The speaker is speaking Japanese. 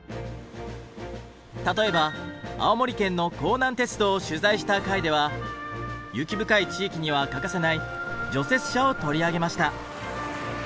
例えば青森県の弘南鉄道を取材した回では雪深い地域には欠かせない除雪車を取り上げました。